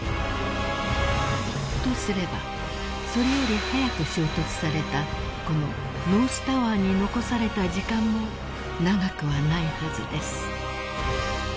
［とすればそれより早く衝突されたこのノースタワーに残された時間も長くはないはずです］